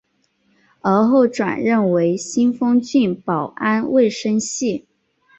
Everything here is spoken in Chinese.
而后转任为新丰郡保安卫生系。